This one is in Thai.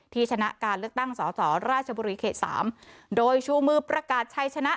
ชนะการเลือกตั้งสอสอราชบุรีเขตสามโดยชูมือประกาศชัยชนะ